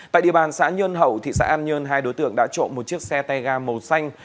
tại địa bàn xã nhơn hậu thị xã an nhơn hai đối tượng đã trộm một chiếc xe tay ga màu xanh